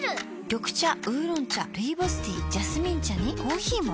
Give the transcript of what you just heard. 緑茶烏龍茶ルイボスティージャスミン茶にコーヒーも。